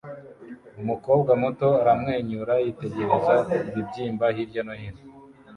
Umukobwa muto aramwenyura yitegereza ibibyimba hirya no hino